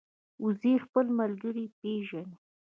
وزې خپل ملګري پېژني